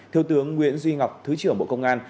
thiếu tướng nguyễn duy ngọc thứ trưởng bộ công an